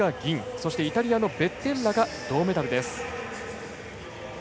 そしてイタリアのベッテッラが銅メダルです。